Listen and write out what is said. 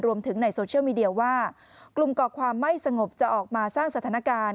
ในโซเชียลมีเดียว่ากลุ่มก่อความไม่สงบจะออกมาสร้างสถานการณ์